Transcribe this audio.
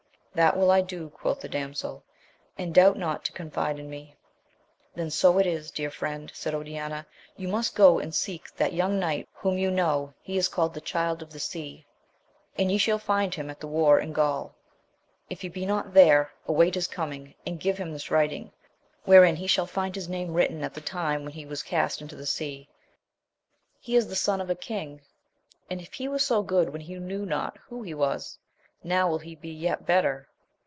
That will I do, quoth the damsel, and doubt not to confide in me. Then so it is, dear friend, said Oriana, you must go and seek that young knight whom you know — ^he is called the Child, of! tha 8^^^, w\.d y^ «k«ll AMADIS OF GAUL, 47 find him at the war in Gaul : if lie be not there, await his coming, and give him this writing, wherem he shall find his name written at the time when he was cast into the sea. He is the son of a king, and, if he was so good when he knew not who he was, now will he be yet better.